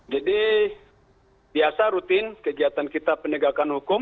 jadi biasa rutin kegiatan kita penegakan hukum